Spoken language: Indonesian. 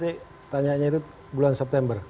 kita nanti tanya itu bulan september